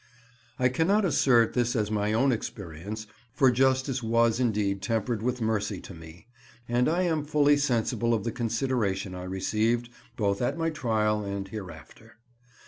I cannot assert this as my own experience, for justice was indeed tempered with mercy to me, and I am fully sensible of the consideration I received, both at my trial and hereafter.